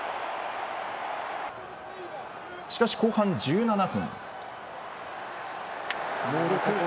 しかし、後半１７分。